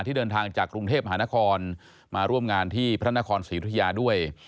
เดินทางจากกรุงเทพมหานครมาร่วมงานที่พระนครศรีธุยาด้วย